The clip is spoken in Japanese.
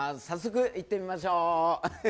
早速行ってみましょう。